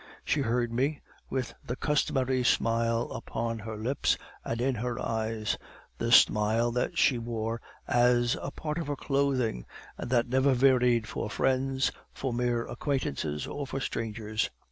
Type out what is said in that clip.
She heard me, with the customary smile upon her lips and in her eyes, the smile that she wore as a part of her clothing, and that never varied for friends, for mere acquaintances, or for strangers.